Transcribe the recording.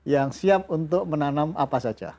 yang siap untuk menanam apa saja